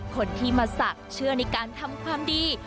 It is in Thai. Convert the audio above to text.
คนที่มาศักดิ์เชื่อในการทำความดี